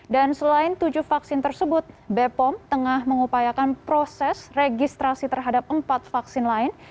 dan selain tujuh vaksin tersebut bepom tengah mengupayakan proses registrasi terhadap empat vaksin lain